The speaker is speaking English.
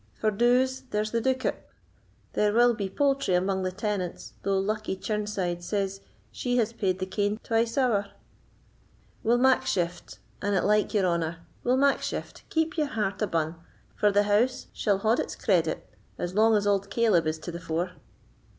For doos, there's the doocot; there will be poultry amang the tenants, though Luckie Chirnside says she has paid the kain twice ower. We'll mak shift, an it like your honour—we'll mak shift; keep your heart abune, for the house sall haud its credit as lang as auld Caleb is to the fore."